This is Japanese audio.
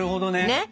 ねっ！